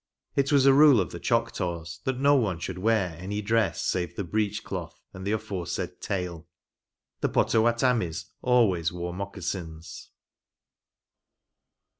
It was a rule of the Choctaws that no one should wear any dress save the breech cloth, and the aforesaid tail. The Poutawatamies always wore mocassins.